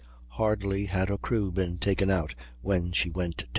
Hardly had her crew been taken out when she went down.